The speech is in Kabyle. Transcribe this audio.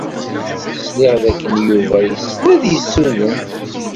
Sliɣ dakken Yuba yessen ad yessuden.